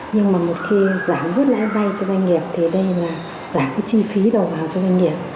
nhưng mà một khi giảm bớt lãi vay cho doanh nghiệp thì đây là giảm cái chi phí đầu vào cho doanh nghiệp